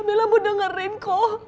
bella mau dengerin ko